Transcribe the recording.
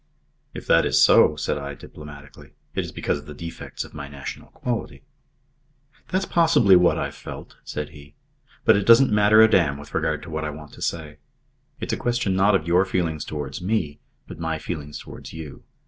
"If that is so," said I, diplomatically, "it is because of the defects of my national quality." "That's possibly what I've felt," said he. "But it doesn't matter a damn with regard to what I want to say. It's a question not of your feelings towards me, but my feelings towards you.